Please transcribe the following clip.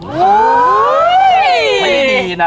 ไม่ได้ดีนะ